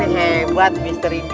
hebat mister india